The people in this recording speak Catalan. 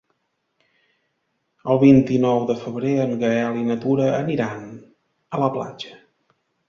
El vint-i-nou de febrer en Gaël i na Tura aniran a la platja.